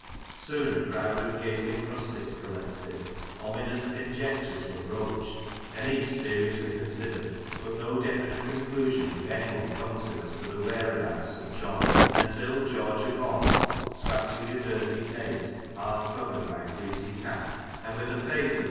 Soon a crowd of gaping rustics collected; ominous conjectures were broached, and each seriously considered, but no definite conclusion could anyone come to as to the where abouts of John, until George o' Bob's, scratching a dirty pate, half covered by a greasy cap, and with a face as white Jg"V ■.>